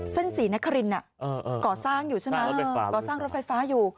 เส้นสีนักขรินก่อสร้างรถไฟฟ้าอยู่